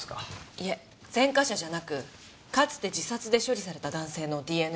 いえ前科者じゃなくかつて自殺で処理された男性のＤＮＡだった。